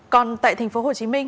còn tại tp hcm